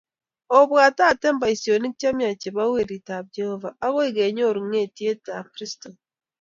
Omwaitate boisonik chemiach chebo Werit ab Jehovah akoi kenyoru nyiet ab Kristo